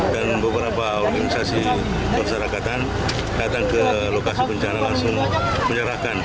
dan beberapa organisasi perserakatan datang ke lokasi bencana langsung menyerahkan